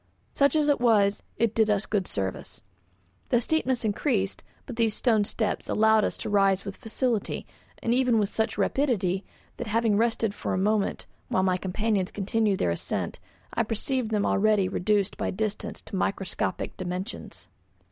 Such as it was, it did us good service. The steepness increased, but these stone steps allowed us to rise with facility, and even with such rapidity that, having rested for a moment while my companions continued their ascent, I perceived them already reduced by distance to microscopic dimensions.